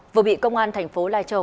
vừa bị công an thành phố lai châu